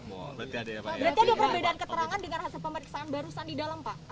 berarti ada perbedaan keterangan dengan hasil pemeriksaan barusan di dalam pak